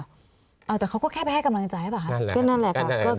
เอาแต่เขาก็แค่ไปให้กำลังใจหรือเปล่าคะก็นั่นแหละค่ะ